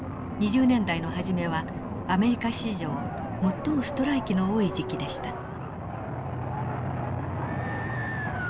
２０年代の初めはアメリカ史上最もストライキの多い時期でした。